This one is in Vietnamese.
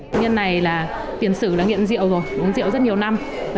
bệnh nhân này tiền sử đã nghiện rượu rồi uống rượu rất nhiều năm